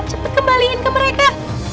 cepet kembaliin ke mereka